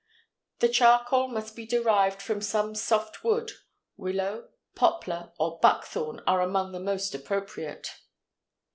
The charcoal must be derived from some soft wood; willow, poplar, or buckthorn are among the most appropriate.